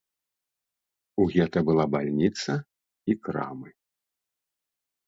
У гета была бальніца і крамы.